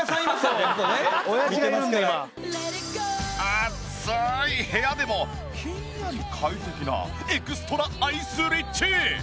暑い部屋でもひんやり快適なエクストラアイスリッチ！